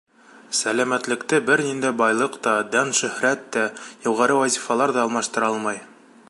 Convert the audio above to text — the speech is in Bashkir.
Сәләмәтлекте бер ниндәй байлыҡ та, дан-шөһрәт тә, юғары вазифалар ҙа алмаштыра алмай.